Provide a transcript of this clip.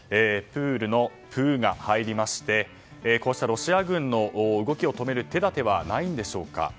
プールの「プ」が入りましてこうしたロシア軍の動きを止める手立てはないんでしょうか。